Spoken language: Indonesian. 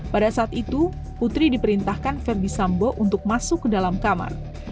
pada saat itu putri diperintahkan verdi sambo untuk masuk ke dalam kamar